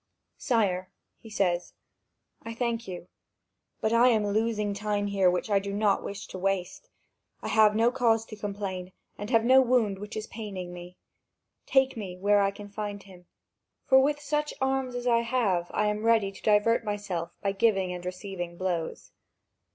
"Sire," he says, "I thank you. But I am losing time here which I do not wish to waste. I have no cause to complain, and have no wound which is paining me. Take me where I can find him; for with such arms as I have, I am ready to divert myself by giving and receiving blows."